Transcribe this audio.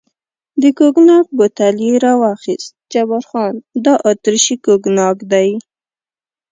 د کوګناک بوتل یې را واخیست، جبار خان: دا اتریشي کوګناک دی.